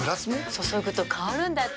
注ぐと香るんだって。